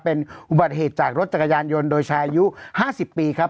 เป็นอุบัติเหตุจากรถจักรยานยนต์โดยชายอายุ๕๐ปีครับ